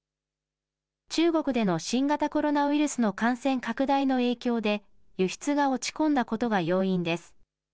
中国での新型コロナウイルスの感染拡大の影響で、輸出が落ち込んだことが要因です。